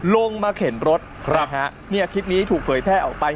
ลงมาเข็นรถเนี่ยคลิปนี้ถูกเผยแพร่ออกไป